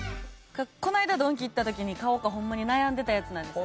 こないだドンキ行った時に買おうかほんまに悩んでたやつなんです。